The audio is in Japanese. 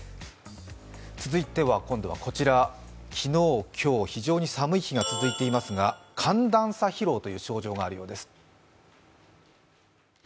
続いては今度はこちら、昨日、今日、非常に寒い日が続いていますが、寒暖差疲労という症状があるようです。